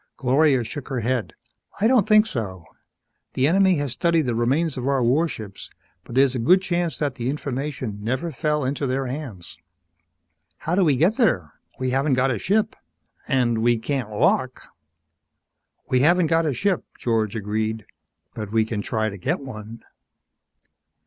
Gloria shook her head. "I don't think so. The enemy has studied the remains of our warships but there's a good chance that the information never fell into their hands." "How do we get there? We haven't got a ship, and we can't walk!" "We haven't got a ship," George agreed. "But we can try to get one."